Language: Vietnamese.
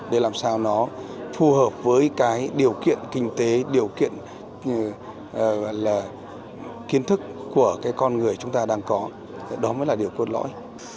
để làm sao nó phù hợp với cái điều kiện kinh tế điều kiện là kiến thức của cái con người chúng ta đang có đó mới là điều cốt lõi